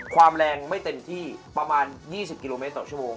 ความแรงไม่เต็มที่ประมาณ๒๐กิโลเมตรต่อชั่วโมง